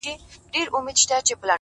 د اوښکو ټول څاڅکي دي ټول راټول کړه،